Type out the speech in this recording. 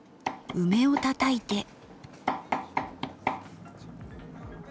梅をたたいて。